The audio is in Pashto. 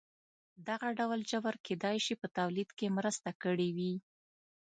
دغه ډول جبر کېدای شي په تولید کې مرسته کړې وي.